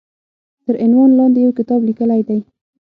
تر عنوان لاندې يو کتاب ليکلی دی